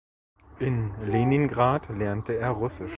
In Leningrad lernte er Russisch.